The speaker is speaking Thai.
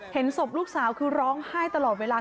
เห็นศพลูกสาวคือร้องไห้ตลอดเวลา